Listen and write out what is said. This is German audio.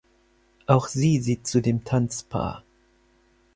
Auch sie sieht zu dem Tanzpaar.